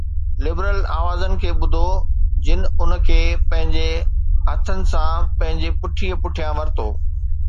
liberal آوازن کي ٻڌو، جن ان کي پنهنجي هٿن سان پنهنجي پٺيءَ پٺيان ورتو